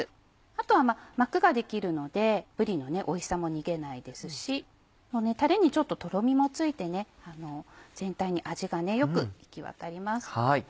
あとは膜ができるのでぶりのおいしさも逃げないですしタレにちょっととろみもついて全体に味がよく行きわたります。